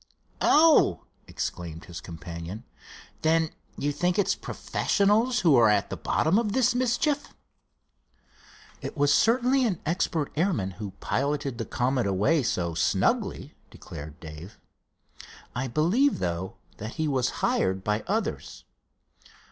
"Oh!" exclaimed his companion, "then you think it's professionals who are at the bottom of this mischief?" "It was certainly an expert airman who piloted the Comet away so snugly," declared Dave. "I believe, though, that he was hired by others."